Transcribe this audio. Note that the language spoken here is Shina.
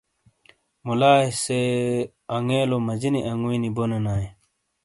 مُولائے سے اَنگیلو مَجِینی انگُوئی نی بونینائے۔